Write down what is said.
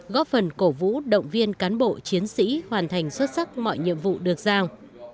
góp phần cổ vũ động viên cán bộ chiến sĩ hoàn thành xuất sắc mọi nhiệm vụ được giao